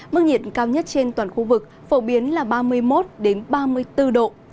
mức nhiệt cao nhất trên toàn khu vực phổ biến là ba mươi một ba mươi bốn độ